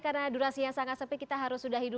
karena durasi yang sangat sepi kita harus sudahi